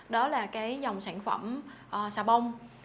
đó là cái dòng sản phẩm sà bông